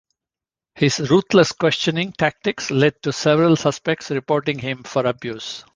His ruthless questioning tactics lead to several suspects reporting him for abuse.